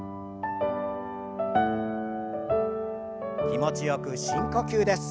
気持ちよく深呼吸です。